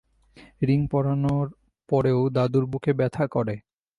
Ring পরানোর পরেও দাদুর বুকে ব্যথা করে।